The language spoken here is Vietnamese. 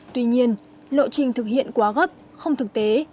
tuy nhiên lộ trình thực hiện quá gấp không thực tế